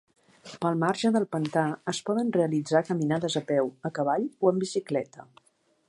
Pel marge del pantà es poden realitzar caminades a peu, a cavall o en bicicleta.